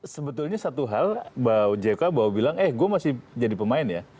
sebetulnya satu hal bahwa jk bahwa bilang eh gue masih jadi pemain ya